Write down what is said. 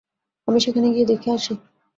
আমি সেখানে গিয়ে দেখে আসি।